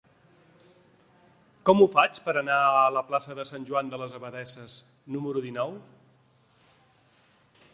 Com ho faig per anar a la plaça de Sant Joan de les Abadesses número dinou?